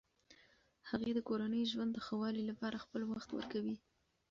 هغې د کورني ژوند د ښه والي لپاره خپل وخت ورکوي.